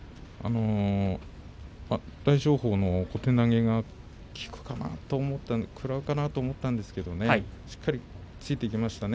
大翔鵬の小手投げが効くかなと思ったんですが食らうかなと思ったんですがしっかりついていきましたね